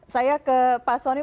saya ke pak soni